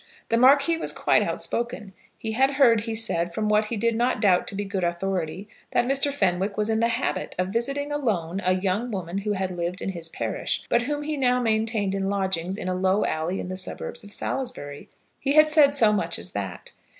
The Marquis was quite outspoken. He had heard, he said, from what he did not doubt to be good authority, that Mr. Fenwick was in the habit of visiting alone a young woman who had lived in his parish, but whom he now maintained in lodgings in a low alley in the suburbs of Salisbury. He had said so much as that.